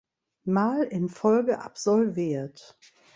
Mal in Folge absolviert.